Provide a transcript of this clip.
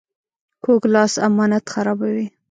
کوږ لاس امانت خرابوي